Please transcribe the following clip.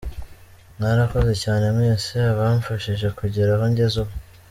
Mwarakoze cyane mwese abamfashije kugera aho ngeze ubu.